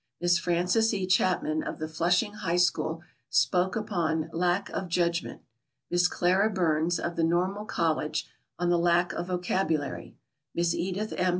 Miss Francis E. Chapman, of the Flushing High School, spoke upon "Lack of Judgment"; Miss Clara Byrnes, of the Normal College, on the "Lack of Vocabulary"; Miss Edith M.